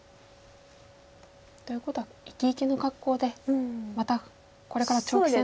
ということは生き生きの格好でまたこれから長期戦と。